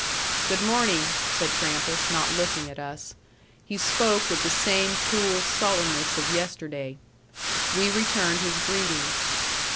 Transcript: "Good morning," said Trampas, not looking at us. He spoke with the same cool sullenness of yesterday. We returned his greeting.